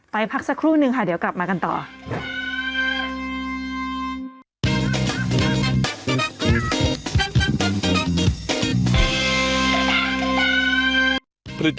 พักสักครู่นึงค่ะเดี๋ยวกลับมากันต่อ